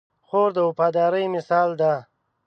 خور د وفادارۍ مثال ده.